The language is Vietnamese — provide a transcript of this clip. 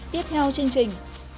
tiếp theo chương trình